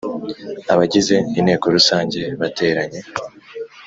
abagize Inteko Rusange bateranye